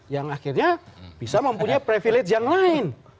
yang akhirnya bisa mempunyai privilege yang lain